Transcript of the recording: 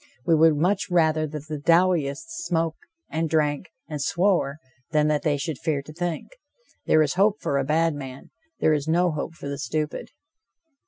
We would much rather that the Dowieites smoked and drank and swore, than that they should fear to think. There is hope for a bad man. There is no hope for the stupid.